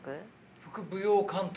副舞踊監督。